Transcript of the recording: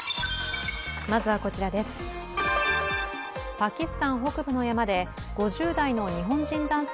パキスタン北部の山で５０代の日本人男性